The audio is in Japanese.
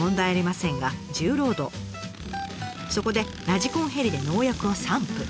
そこでラジコンヘリで農薬を散布。